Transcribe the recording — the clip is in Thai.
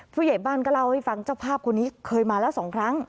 ผู้ใหญ่บ้านก็เล่าให้ฟังเจ้าภาพคนนี้เคยมาแล้วสองครั้ง